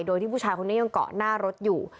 โดยที่ผู้ชายคนนี้ยังเกาะหน้ารถอยู่